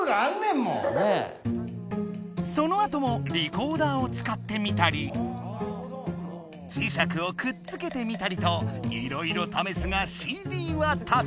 そのあともリコーダーを使ってみたり磁石をくっつけてみたりといろいろためすがＣＤは立たない。